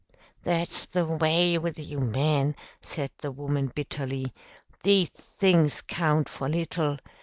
"That's the way with you men," said the woman bitterly. "These things count for little.